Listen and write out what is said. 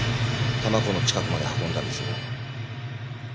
多摩湖の近くまで運んだんですよね？